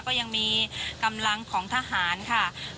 ก็ยังมีกำลังของทหารค่ะ